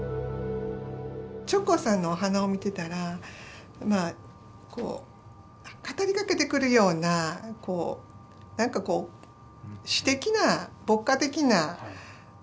直行さんのお花を見てたらまあこう語りかけてくるようなこう何かこう詩的な牧歌的な何か感じますよね。